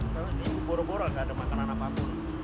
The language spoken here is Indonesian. tapi ini boro boro tidak ada makanan apapun